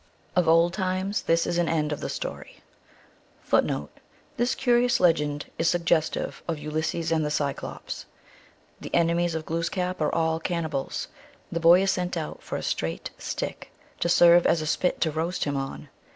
1 Of old times. This is an end of the story. 1 This curious legend is suggestive of Ulysses and the Cyclops. The enemies of Glooskap are all cannibals ; the boy is sent out for a straight stick to serve as a spit to roast him on.